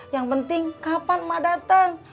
yang penting kapan mbak dateng